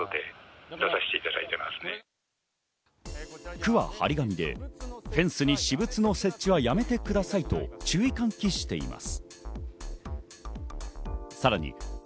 区は張り紙でフェンスに私物の設置はやめてくださいと注意喚起しています。